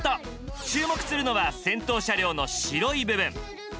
注目するのは先頭車両の白い部分。